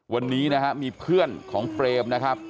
วันนี้นะฮะมีเพื่อนของเปรมนะครับ